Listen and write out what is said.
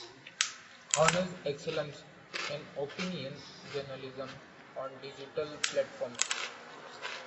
Honors excellence in opinion journalism on digital platforms.